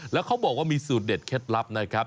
แล้วเขาบอกว่ามีสูตรเด็ดเคล็ดลับนะครับ